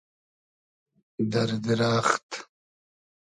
دئر دیرئخت